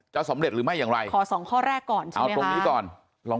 สำเร็จหรือไม่อย่างไรขอสองข้อแรกก่อนเอาตรงนี้ก่อนลอง